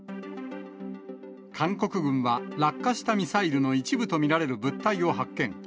韓国軍は落下したミサイルの一部と見られる物体を発見。